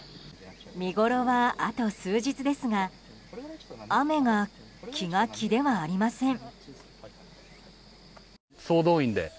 見ごろはあと数日ですが雨が気が気ではありません。